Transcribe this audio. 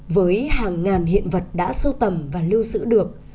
với hàng ngàn hiện vật đã sưu tầm và lưu giữ được